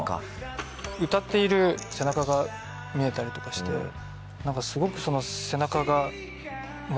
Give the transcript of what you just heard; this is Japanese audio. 歌っている背中が見えたりとかして何かすごくその背中が。